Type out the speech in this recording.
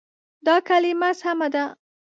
دا کلمه سمه ده.